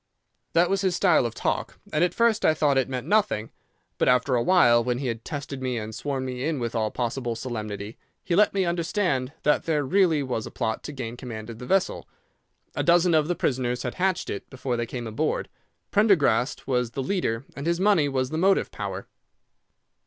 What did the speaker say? "'That was his style of talk, and at first I thought it meant nothing; but after a while, when he had tested me and sworn me in with all possible solemnity, he let me understand that there really was a plot to gain command of the vessel. A dozen of the prisoners had hatched it before they came aboard, Prendergast was the leader, and his money was the motive power.